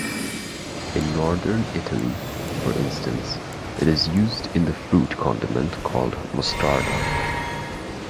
In northern Italy, for instance, it is used in the fruit condiment called "mostarda".